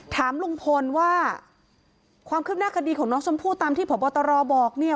ถามลุงพลว่าความคืบหน้าคดีของน้องชมพู่ตามที่พบตรบอกเนี่ย